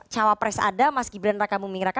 cawapres ada mas gibran raka buming raka